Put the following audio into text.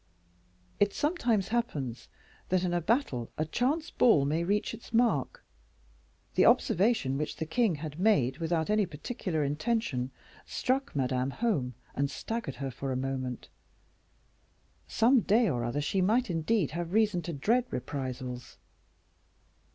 It sometimes happens that in a battle a chance ball may reach its mark. The observation which the king had made without any particular intention, struck Madame home, and staggered her for a moment; some day or other she might indeed have reason to dread reprisals.